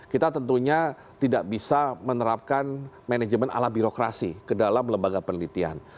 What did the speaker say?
kita tentunya tidak bisa menerapkan manajemen ala birokrasi ke dalam lembaga penelitian